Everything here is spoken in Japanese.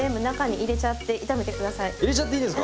入れちゃっていいですか？